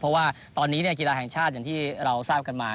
เพราะว่าตอนนี้กีฬาแห่งชาติอย่างที่เราทราบกันมา